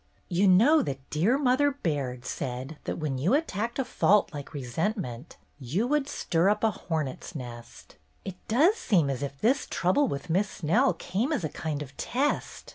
"You know that dear Mother Baird said that when you attacked a fault like resent ment, you would stir up a hornet's nest. It does seem as if this trouble with Miss Snell came as a kind of test.